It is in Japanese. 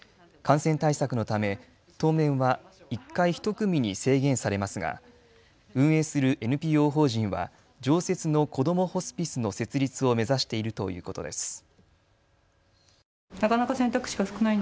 感染対策のため当面は１回１組に制限されますが運営するＮＰＯ法人は常設のこどもホスピスの設立を目指しているということです。